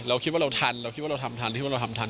เราคิดว่าเราทันเราคิดว่าเราทำทันที่ว่าเราทำทัน